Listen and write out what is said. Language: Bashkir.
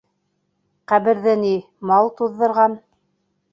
Ҡәберҙе ни... мал туҙҙырған.